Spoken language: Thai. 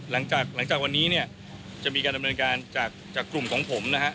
หลังจากวันนี้จะมีการดำเนินการจากกลุ่มของผมนะครับ